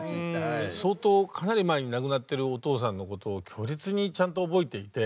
相当かなり前に亡くなってるお父さんのことを強烈にちゃんと覚えていて。